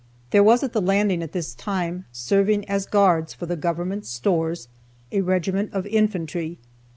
There was at the Landing at this time, serving as guards for the government stores, a regiment of infantry.